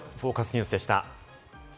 ニュースでした。